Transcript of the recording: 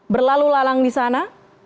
berlalu lalang di sana